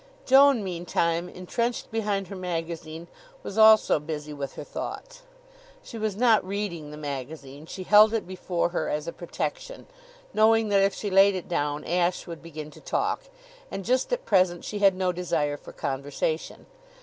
Joan, meantime, intrenched behind her magazine, was also busy with her thoughts. She was not reading the magazine; she held it before her as a protection, knowing that if she laid it down Ashe would begin to talk. And just at present she had no desire for conversation.